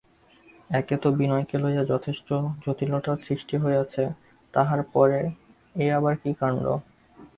একে তো বিনয়কে লইয়া যথেষ্ট জটিলতার সৃষ্টি হইয়াছে তাহার পরে এ আবার কী কাণ্ড!